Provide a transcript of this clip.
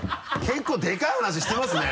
結構でかい話してますね！